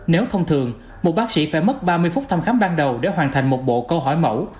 nếu thông thường một bác sĩ phải mất ba mươi phút thăm khám ban đầu để hoàn thành một bộ câu hỏi mẫu